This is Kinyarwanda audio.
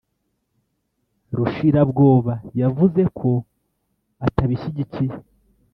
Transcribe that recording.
rushirabwoba yavuze ko atabishyigikiye